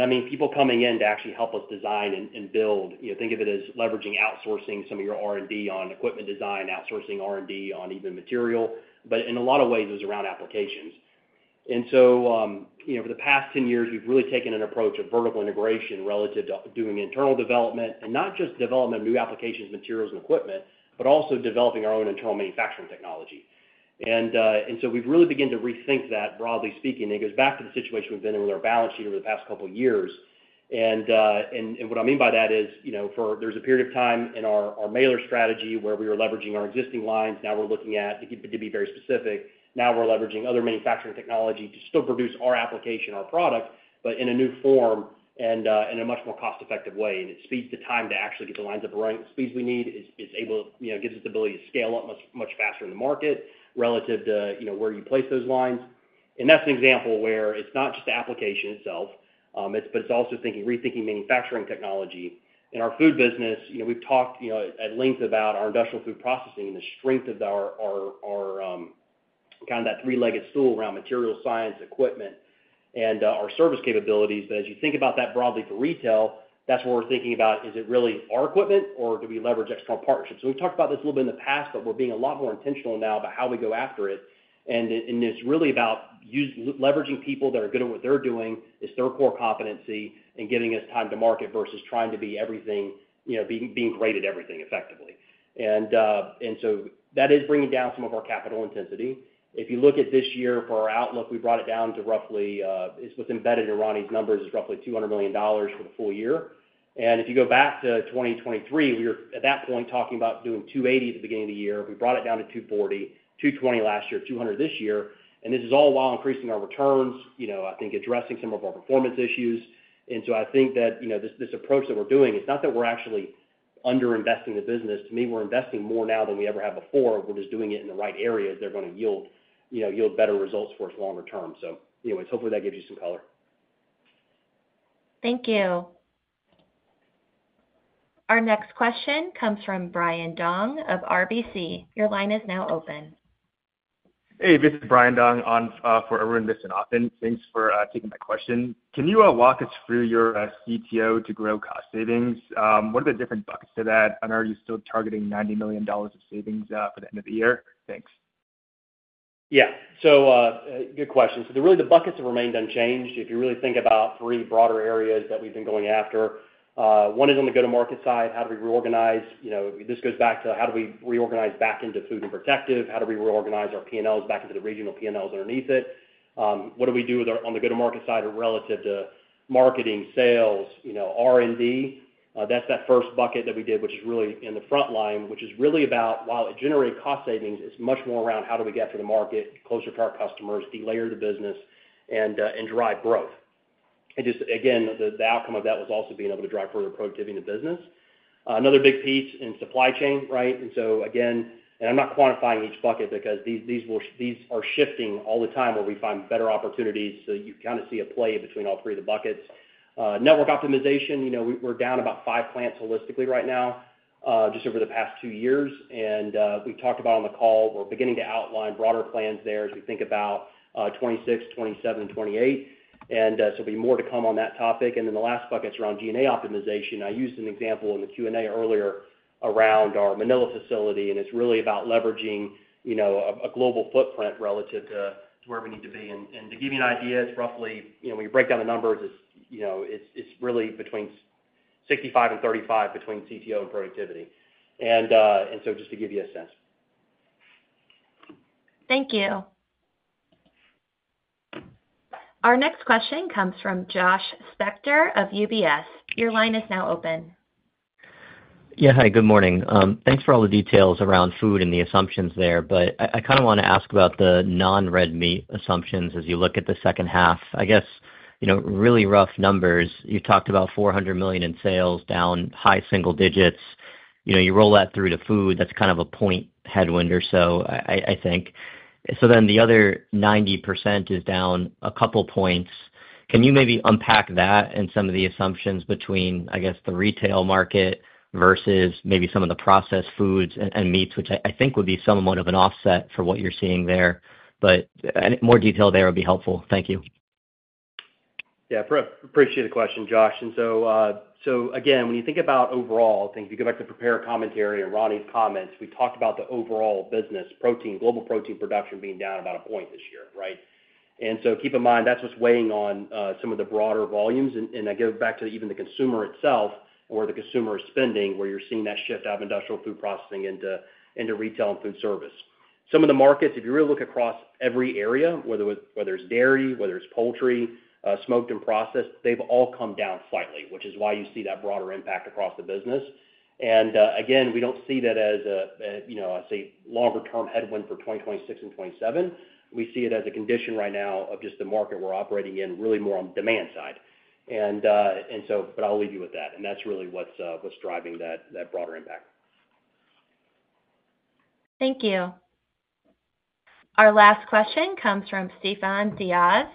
I mean, people coming in to actually help us design and build, you know, think of it as leveraging outsourcing some of your R&D on equipment design, outsourcing R&D on even material. In a lot of ways, it was around applications. Over the past 10 years, we've really taken an approach of vertical integration relative to doing internal development and not just development of new applications, materials, and equipment, but also developing our own internal manufacturing technology. We've really begun to rethink that, broadly speaking. It goes back to the situation we've been in with our balance sheet over the past couple of years. What I mean by that is, you know, for there's a period of time in our mailer strategy where we were leveraging our existing lines. Now we're looking at, to be very specific, now we're leveraging other manufacturing technology to still produce our application, our product, but in a new form and in a much more cost-effective way. It speeds the time to actually get the lines up the speeds we need. It gives us the ability to scale up much faster in the market relative to, you know, where you place those lines. That's an example where it's not just the application itself, but it's also thinking, rethinking manufacturing technology. In our Food segment, you know, we've talked, you know, at length about our industrial food processing and the strength of our kind of that three-legged stool around material science, equipment, and our service capabilities. As you think about that broadly for retail, that's what we're thinking about. Is it really our equipment or do we leverage external partnerships? We've talked about this a little bit in the past, but we're being a lot more intentional now about how we go after it. It's really about leveraging people that are good at what they're doing, is their core competency, and giving us time to market versus trying to be everything, you know, being great at everything effectively. That is bringing down some of our capital intensity. If you look at this year for our outlook, we brought it down to roughly, it's what's embedded in Roni's numbers, is roughly $200 million for the full year. If you go back to 2023, we were at that point talking about doing $280 million at the beginning of the year. We brought it down to $240 million, $220 million last year, $200 million this year. This is all while increasing our returns, I think addressing some of our performance issues. I think that this approach that we're doing, it's not that we're actually underinvesting the business. To me, we're investing more now than we ever have before. We're just doing it in the right areas that are going to yield better results for us longer term. Hopefully that gives you some color. Thank you. Our next question comes from Brian Dong of RBC. Your line is now open. Hey, this is Brian Dong on for Arun Viswanathan. Thanks for taking my question. Can you walk us through your CTO to grow cost savings? What are the different buckets to that? Are you still targeting $90 million of savings for the end of the year? Thanks. Yeah, good question. The buckets have remained unchanged. If you think about three broader areas that we've been going after, one is on the go-to-market side. How do we reorganize? This goes back to how do we reorganize back into Food and Protective. How do we reorganize our P&Ls back into the regional P&Ls underneath it? What do we do on the go-to-market side relative to marketing, sales, R&D? That's that first bucket that we did, which is really in the front line, which is really about, while it generated cost savings, it's much more around how do we get to the market, closer to our customers, delayer the business, and drive growth. The outcome of that was also being able to drive further productivity in the business. Another big piece is in supply chain, right? I'm not quantifying each bucket because these are shifting all the time where we find better opportunities. You kind of see a play between all three of the buckets. Network optimization, we're down about five plants holistically right now, just over the past two years. We've talked about on the call, we're beginning to outline broader plans there as we think about 2026, 2027, 2028. There'll be more to come on that topic. The last bucket's around G&A optimization. I used an example in the Q&A earlier around our Manila facility, and it's really about leveraging a global footprint relative to where we need to be. To give you an idea, when you break down the numbers, it's really between 65% and 35% between CTO and productivity. Just to give you a sense. Thank you. Our next question comes from Josh Spector of UBS. Your line is now open. Yeah, hey, good morning. Thanks for all the details around Food and the assumptions there. I kind of want to ask about the non-red meat assumptions as you look at the second half. I guess, you know, really rough numbers, you talked about $400 million in sales down high single digits. You roll that through to Food, that's kind of a point headwind or so, I think. The other 90% is down a couple points. Can you maybe unpack that and some of the assumptions between, I guess, the retail market versus maybe some of the processed foods and meats, which I think would be somewhat of an offset for what you're seeing there. More detail there would be helpful. Thank you. Yeah, I appreciate the question, Josh. When you think about overall things, if you go back to the prepared commentary and Roni's comments, we talked about the overall business, protein, global protein production being down about 1% this year, right? Keep in mind that's what's weighing on some of the broader volumes. I go back to even the consumer itself or the consumer spending where you're seeing that shift out of industrial food processing into retail and food service. Some of the markets, if you really look across every area, whether it's dairy, whether it's poultry, smoked and processed, they've all come down slightly, which is why you see that broader impact across the business. We don't see that as a longer-term headwind for 2026 and 2027. We see it as a condition right now of just the market we're operating in, really more on the demand side. I'll leave you with that. That's really what's driving that broader impact. Thank you. Our last question comes from Stefan Diaz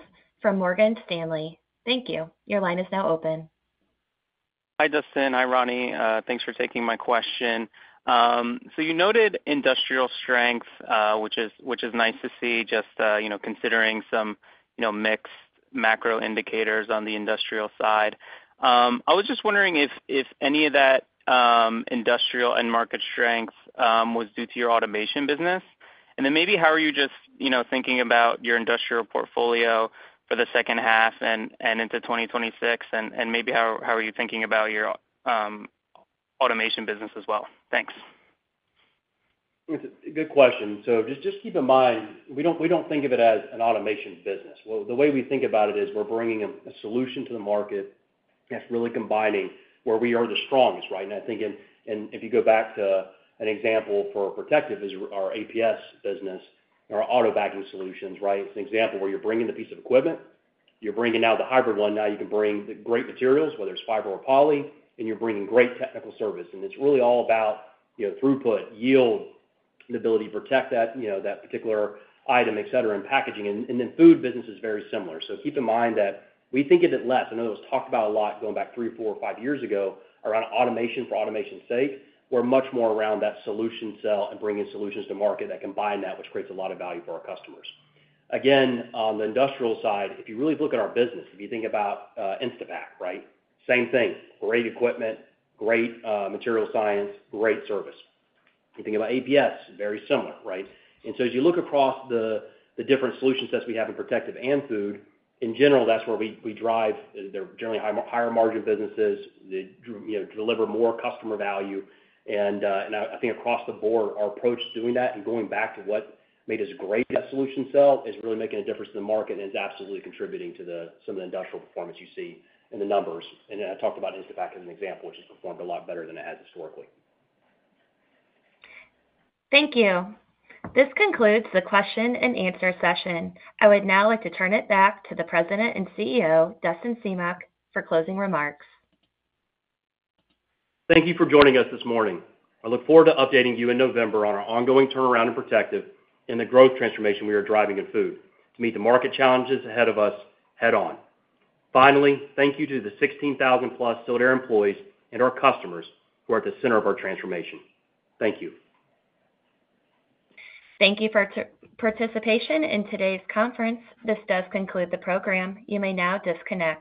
from Morgan Stanley. Thank you. Your line is now open. Hi, Dustin. Hi, Roni. Thanks for taking my question. You noted industrial strength, which is nice to see, just considering some mixed macro indicators on the industrial side. I was just wondering if any of that industrial and market strength was due to your automation business. Maybe how are you thinking about your industrial portfolio for the second half and into 2026? Maybe how are you thinking about your automation business as well? Thanks. Good question. Just keep in mind, we don't think of it as an automation business. The way we think about it is we're bringing a solution to the market that's really combining where we are the strongest, right? I think, if you go back to an example for Protective, it's our APS business, our Auto Packing Solutions, right? It's an example where you're bringing the piece of equipment, you're bringing out the hybrid one. Now you can bring the great materials, whether it's fiber or poly, and you're bringing great technical service. It's really all about throughput, yield, the ability to protect that particular item, et cetera, and packaging. The Food business is very similar. Keep in mind that we think of it less. I know it was talked about a lot going back three, four, or five years ago around automation for automation's sake. We're much more around that solution sell and bringing solutions to market that combine that, which creates a lot of value for our customers. Again, on the industrial side, if you really look at our business, if you think about Instapak, right? Same thing. Great equipment, great material science, great service. You think about APS, very similar, right? As you look across the different solutions that we have in Protective and Food, in general, that's where we drive. They're generally higher margin businesses. They deliver more customer value. I think across the board, our approach to doing that and going back to what made us great in that solution sell is really making a difference in the market and is absolutely contributing to some of the industrial performance you see in the numbers. I talked about Instapak as an example, which has performed a lot better than it has historically. Thank you. This concludes the question and answer session. I would now like to turn it back to the President and CEO, Dustin Semach, for closing remarks. Thank you for joining us this morning. I look forward to updating you in November on our ongoing turnaround in Protective and the growth transformation we are driving in Food. Meet the market challenges ahead of us head on. Finally, thank you to the 16,000+ Sealed Air employees and our customers who are at the center of our transformation. Thank you. Thank you for participation in today's conference. This does conclude the program. You may now disconnect.